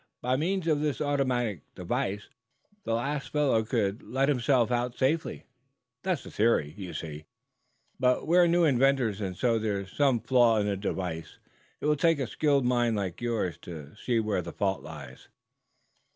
By means of this automatic device the last fellow could let himself out safely. That's the theory, you see; but we're new inventors, and so there's some flaw in the device. It will take a skilled mind like yours to see where the fault lies."